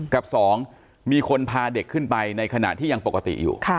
กับ๒มีคนพาเด็กขึ้นไปในขณะที่ยังปกติอยู่